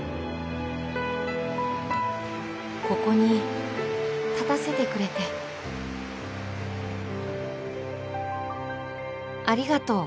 ここに立たせてくれて、ありがとう。